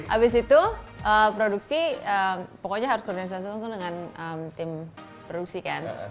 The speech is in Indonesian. abis itu produksi pokoknya harus koordinasi langsung dengan tim produksi kan